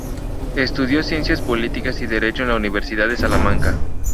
Estudió Ciencias Políticas y Derecho en la Universidad de Salamanca.